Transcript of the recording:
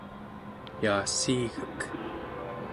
yaassiigek